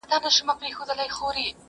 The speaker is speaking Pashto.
بيزو وان د خپل تقدير د دام اسير وو!!